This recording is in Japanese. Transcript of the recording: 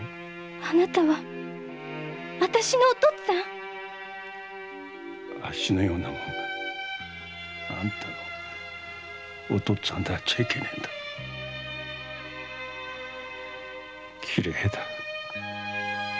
あなたは私のお父っつぁん⁉あっしのような者があんたのお父っつぁんであっちゃいけねえんだ。綺麗だ。